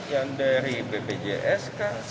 yang dari bpjs